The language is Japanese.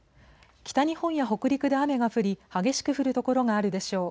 北日本や北陸で雨が降り激しく降る所があるでしょう。